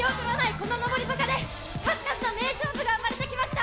この上り坂で数々の名勝負が生まれてきました。